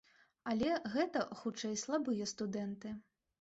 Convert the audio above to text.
Але гэта, хутчэй, слабыя студэнты.